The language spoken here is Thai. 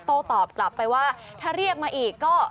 ตอบกลับไปว่าถ้าเรียกมาอีกก็